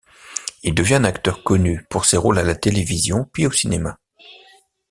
Il devient un acteur connu pour ses rôles à la télévision puis au cinéma.